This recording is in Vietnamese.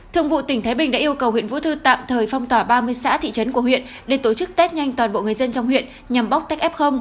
thường vụ tỉnh thái bình đã yêu cầu huyện vũ thư tạm thời phong tỏa ba mươi xã thị trấn của huyện để tổ chức test nhanh toàn bộ người dân trong huyện nhằm bóc tách f